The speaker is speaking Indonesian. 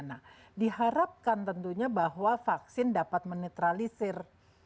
nah diharapkan tentunya bahwa vaksin dapat menetralisir